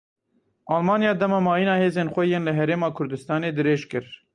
Almanya dema mayîna hêzên xwe yên li Herêma Kurdistanê dirêj kir.